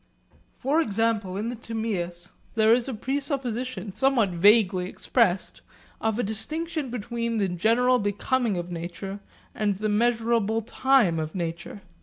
For example in the Timaeus there is a presupposition, somewhat vaguely expressed, of a distinction between the general becoming of nature and the measurable time of nature.